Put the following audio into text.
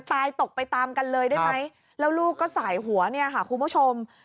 ตกไปตามกันเลยได้ไหมแล้วลูกก็สายหัวเนี่ยค่ะคุณผู้ชม